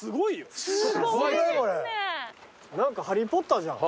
何か『ハリー・ポッター』じゃん。